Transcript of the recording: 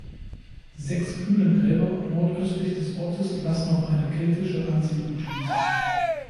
Sechs Hünengräber nordöstlich des Ortes lassen auf eine keltische Ansiedlung schließen.